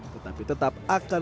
tetapi tetap akan berjalan